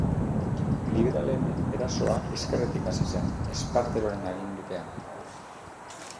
Liberalen erasoa ezkerretik hasi zen Esparteroren agindupean.